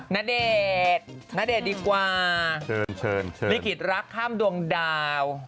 นเดชนเดชดีกว่าลิขิตรักข้ามดวงดาว